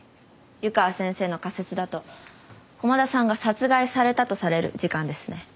湯川先生の仮説だと駒田さんが殺害されたとされる時間ですね。